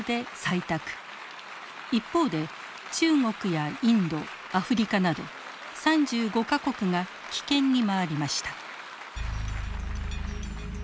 一方で中国やインドアフリカなど３５か国が棄権に回りました。